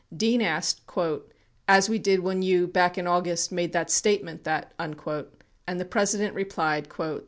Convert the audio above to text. Dean asked, "As we did when you, back in August, made that statement that —" and the President replied, "That's right."